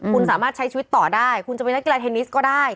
คุณสามารถใช้ชีวิตต่อได้คุณจะเป็นนักกีฬาเทนนิสก็ได้